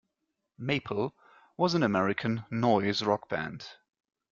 Maple was an American noise rock band.